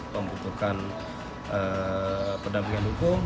membutuhkan pendampingan hukum